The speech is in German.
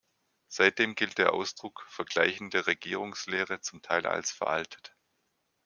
Seitdem gilt der Ausdruck „Vergleichende Regierungslehre“ zum Teil als veraltet.